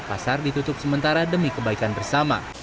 pasar ditutup sementara demi kebaikan bersama